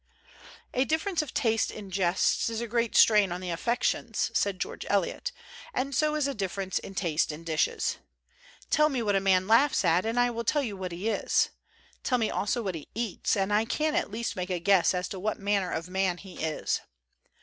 "A difference of taste in jests is a great strain on the affections," said George Eliot; and so is a difference in taste in dishes. Tell me what a man laughs at and I will tell you what he is; tell me also what he eats, and I can at least make a guess as to what manner of man he is.